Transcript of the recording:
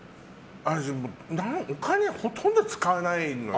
お金、ほとんど使わないのよ。